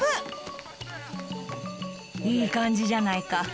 いい感じじゃないか。